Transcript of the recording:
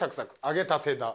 「揚げたてだ」